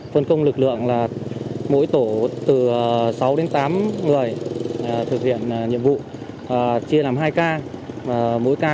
phân công lực lượng là mỗi tổ từ sáu đến tám người thực hiện nhiệm vụ chia làm hai ca